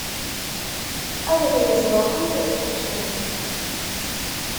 Ad myeẓḍaḥent deg ussu.